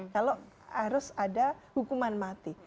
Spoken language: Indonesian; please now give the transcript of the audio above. kalau harus ada hukuman mati